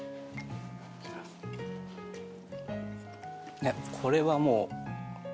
いやこれはもう。